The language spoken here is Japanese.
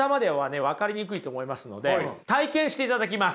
分かりにくいと思いますので体験していただきます。